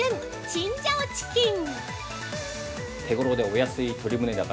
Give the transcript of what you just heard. チンジャオチキン。